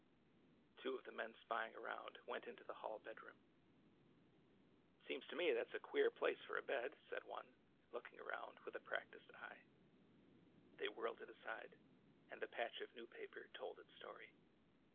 Two of the men spying around went into the hall bed room. A DAY OF SOWING 21 I It seems to me that 's a queer place for a bed/' said one, looking around with a practised eye. They whirled it aside, and the patch of new paper told its story.